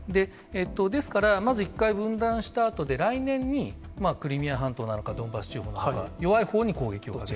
ですから、まず１回分断したあと、来年にクリミア半島なのか、ドンバス地方なのか、弱いほうに攻撃を。